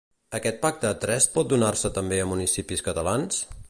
Aquest pacte a tres pot donar-se també a altres municipis catalans?